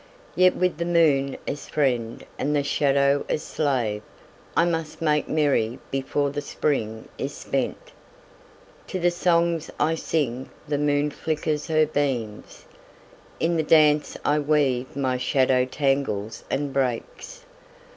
Yet with the moon as friend and the shadow as slave I must make merry before the Spring is spent. To the songs I sing the moon flickers her beams; In the dance I weave my shadow tangles and breaks.